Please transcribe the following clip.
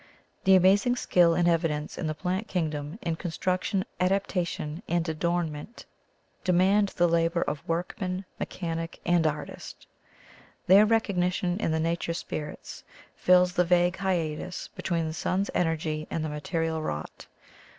The amazing skill in evidence in the plant kingdom in construc tion, adaptation, and adornment demand the labour of workman, mechanic, and artist. Their recognition in the nature spirits fills the vague hiatus between the sun's energy and the material wrought.